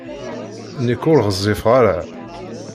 Nekk ur ɣezzifeɣ ara.